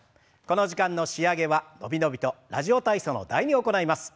この時間の仕上げは伸び伸びと「ラジオ体操」の「第２」を行います。